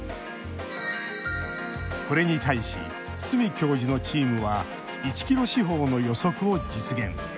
これに対し、角教授のチームは１ｋｍ四方の予測を実現。